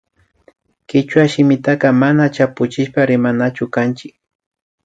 Kichwa shimitaka mana chapuchishpa rimanachu kanchik